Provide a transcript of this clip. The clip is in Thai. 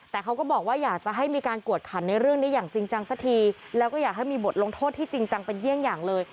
แต่เขาก็บอกว่าอยากจะให้มีการกวดขันในเรื่องนี้อย่างจริงจังสักทีแล้วก็อยากให้มีบทลงโทษที่จริงจังเป็นเยี่ยงอย่างเลย